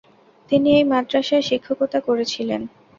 তিনি এই মাদ্রাসায় শিক্ষকতা করেছিলেন।